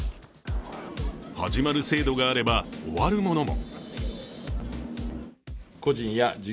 始まる制度があれば終わるものも。